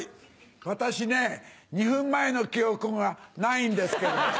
私ねぇ２分前の記憶がないんですけど。